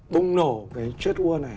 bùng nổ cái chết ua này